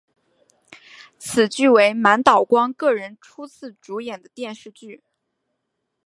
此剧为满岛光个人初次主演的电视剧。